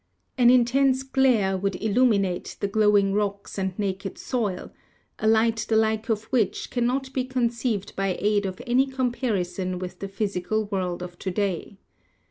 An intense glare would illuminate the THE SPEED OF LIGHT 75 glowing rocks and naked soil — a light the like of which cannot be conceived by aid of any comparison with the physical world of to day.